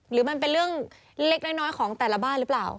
หรือมันเป็นเรื่องเล็กน้อยของแต่ละบ้านหรือเปล่า